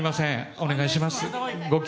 お願いします。